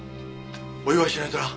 お祝いしないとな。